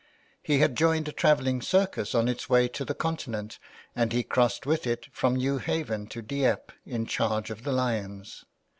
He had joined a travelling circus on its way to the Continent and he crossed with it from New Haven to Dieppe in charge of the lions.